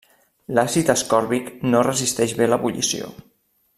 L'àcid ascòrbic no resisteix bé l'ebullició.